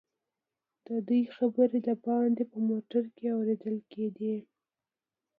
ددوئ خبرې دباندې په موټر کې اورېدل کېدې.